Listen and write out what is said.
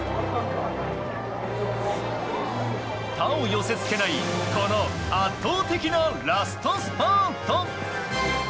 他を寄せ付けないこの圧倒的なラストスパート！